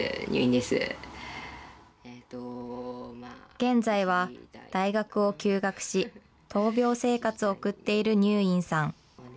現在は、大学を休学し、闘病生活を送っているにゅーいんさん。